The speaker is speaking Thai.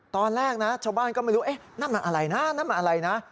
ตอนแรกนะชาวบ้านก็ไม่รู้เอ๊ะนั่นมันอะไรนะนั่นมันอะไรนะ